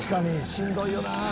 しんどいよな」